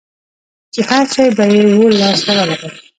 چي هرشی به یې وو لاس ته ورغلی